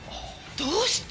どうして？